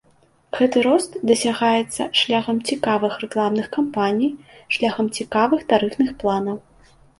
Гэты рост дасягаецца шляхам цікавых рэкламных кампаній, шляхам цікавых тарыфных планаў.